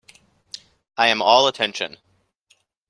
I am all attention.